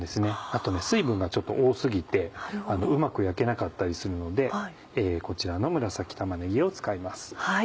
あと水分がちょっと多過ぎてうまく焼けなかったりするのでこちらの紫玉ねぎを使います。